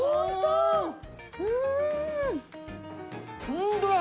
ホントだ！